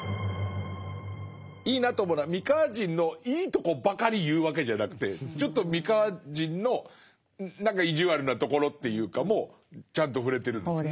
いいなと思うのは三河人のいいとこばかり言うわけじゃなくてちょっと三河人の何か意地悪なところというかもちゃんと触れてるんですね。